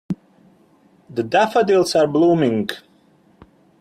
The daffodils are blooming.